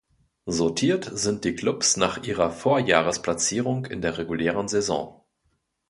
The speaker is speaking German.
Sortiert sind die Clubs nach ihrer Vorjahresplatzierung in der regulären Saison.